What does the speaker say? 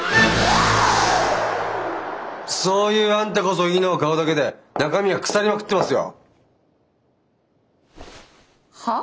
そういうあんたこそいいのは顔だけで中身は腐りまくってますよ。は？